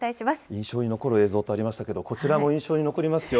印象に残る映像ありましたけど、こちらも印象に残りますよ。